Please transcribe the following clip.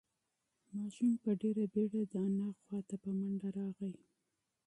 ماشوم په ډېر سرعت سره د انا خواته په منډه راغی.